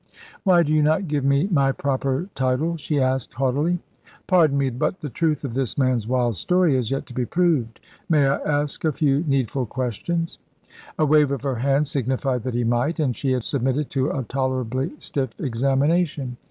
"Why do you not give me my proper title?" she asked haughtily. "Pardon me, but the truth of this man's wild story has yet to be proved. May I ask a few needful questions?" A wave of her hand signified that he might, and she submitted to a tolerably stiff examination.